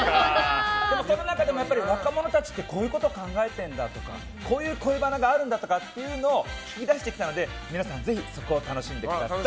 でもその中でも若者たちってこういうことを考えてるんだとかこういう恋バナがあるんだっていうのを聞き出してきたので、皆さんぜひそこを楽しんでください。